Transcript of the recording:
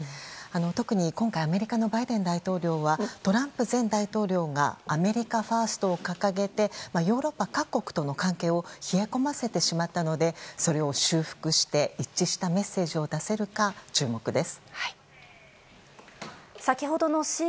特に今回、アメリカのバイデン大統領はトランプ前大統領がアメリカファーストを掲げてヨーロッパ各国との関係を冷え込ませてしまったのでそれを修復して一致したメッセージを出せるか注目です。